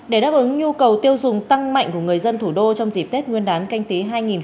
để đáp ứng nhu cầu tiêu dùng tăng mạnh của người dân thủ đô trong dịp tết nguyên đán canh tí hai nghìn hai mươi